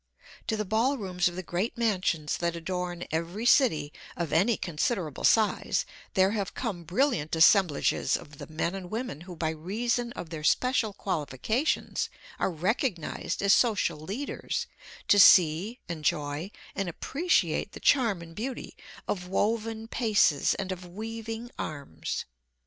To the ballrooms of the great mansions that adorn every city of any considerable size there have come brilliant assemblages of the men and women who by reason of their special qualifications are recognized as social leaders, to see, enjoy and appreciate the charm and beauty of "woven paces and of weaving arms."